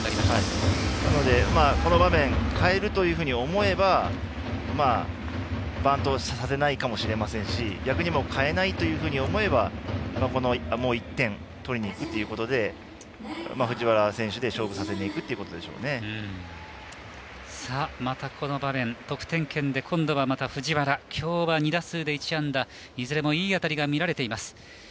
この場面にかえるというふうに思えばバントをさせないかもしれないですしかえないというふうに思えばもう１点取りにいくということで藤原選手で勝負させにいく得点圏で今度はまた藤原きょうは２打数１安打いずれもいい当たりが見られています。